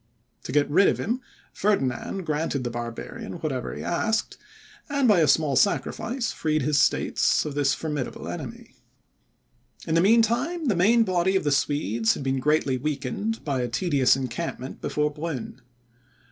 To get rid of him, Ferdinand granted the barbarian whatever he asked, and, by a small sacrifice, freed his states of this formidable enemy. In the mean time, the main body of the Swedes had been greatly weakened by a tedious encampment before Brunn.